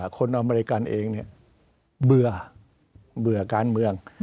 คนอเมริกันเองเบื่อการเมือง